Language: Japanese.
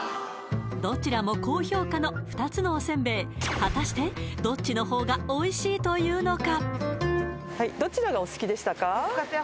どちらも高評価の２つのおせんべい果たしてどっちの方がおいしいというのか？